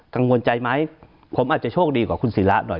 กังวลใจไหมผมอาจจะโชคดีกว่าคุณศิระหน่อย